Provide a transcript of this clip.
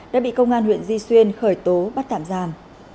đã bị công an huyện duy xuyên khởi tố bắt tạm giam